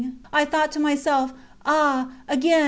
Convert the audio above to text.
I thought to myself: Ah! again!